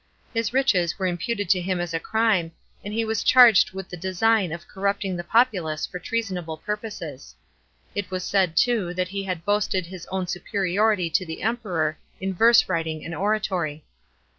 His riches were imputed to him as a crime, and he was charged with the design of corrupting the populace for treasonable purposes. It was said too, that he had boasted his own superiority to the Emperor in verse writing and oratory.